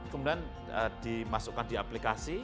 kemudian dimasukkan di aplikasi